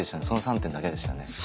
その３点だけでしたね。